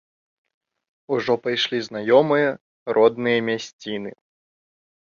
Ужо пайшлі знаёмыя, родныя мясціны.